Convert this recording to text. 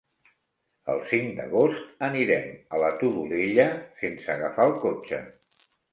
El cinc d'agost anirem a la Todolella sense agafar el cotxe.